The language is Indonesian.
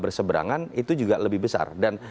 berseberangan itu juga lebih besar dan